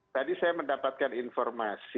tadi saya mendapatkan informasi